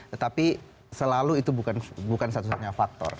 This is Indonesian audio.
tetapi selalu itu bukan satu satunya faktor